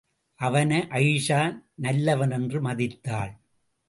அவனை, அயீஷா நல்லவனென்று மதித்தாள்.